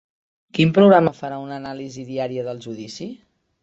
Quin programa farà una anàlisi diària del judici?